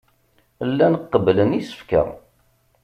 Llan qebblen isefka.